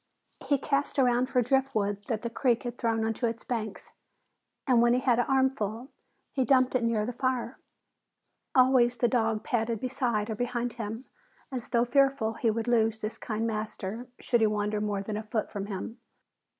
He cast around for driftwood that the creek had thrown onto its banks and when he had an armful, he dumped it near the fire. Always the dog padded beside or behind him, as though fearful he would lose this kind master should he wander more than a foot from him.